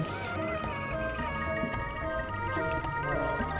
pemilihan pemerintah provinsi dki jakarta